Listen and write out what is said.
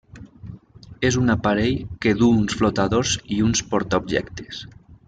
És un aparell que duu uns flotadors i uns portaobjectes.